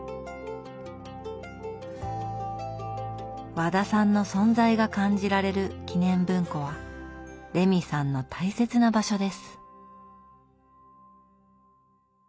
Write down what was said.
和田さんの存在が感じられる記念文庫はレミさんの大切な場所です。